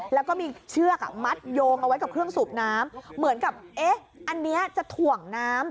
แล้วก็มีเชือกมัดโยงเอาไว้กับเครื่องสูบน้ำเหมือนกับเอ๊ะอันนี้จะถ่วงน้ำ